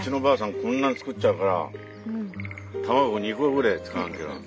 こんなに作っちゃうから卵２個ぐらい使わなきゃ。